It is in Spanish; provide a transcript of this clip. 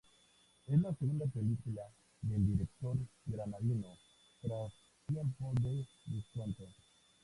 Es la segunda película del director granadino, tras Tiempo de descuento.